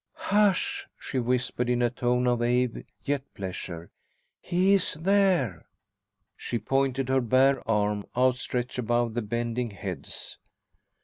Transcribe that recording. "Hush!" she whispered in a tone of awe, yet pleasure. "He is there!" She pointed, her bare arm outstretched above the bending heads.